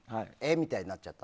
みたいになっちゃった？